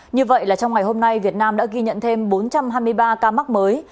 như vậy là trong ngày hôm nay việt nam đã ghi nhận thêm bốn trăm hai mươi ba ca mắc mới